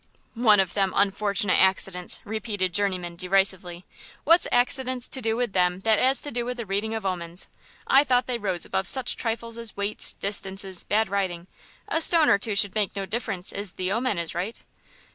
"One of them unfortunate accidents," repeated Journeyman, derisively; "what's accidents to do with them that 'as to do with the reading of omens? I thought they rose above such trifles as weights, distances, bad riding.... A stone or two should make no difference if the omen is right."